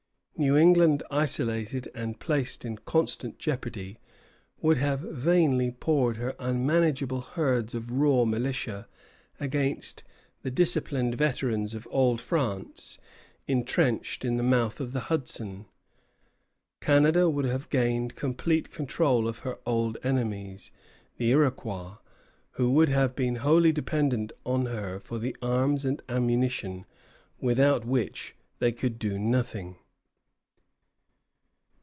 New England, isolated and placed in constant jeopardy, would have vainly poured her unmanageable herds of raw militia against the disciplined veterans of Old France intrenched at the mouth of the Hudson. Canada would have gained complete control of her old enemies, the Iroquois, who would have been wholly dependent on her for the arms and ammunition without which they could do nothing.